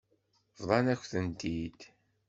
Bḍan-akent-tent-id.